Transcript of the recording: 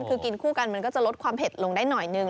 คือกินคู่กันมันก็จะลดความเผ็ดลงได้หน่อยนึง